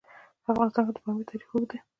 په افغانستان کې د پامیر تاریخ اوږد دی.